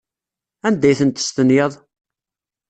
Anda ay ten-testenyaḍ?